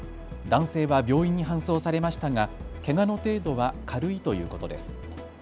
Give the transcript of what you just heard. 男性は病院に搬送されましたがけがの程度は軽いということです。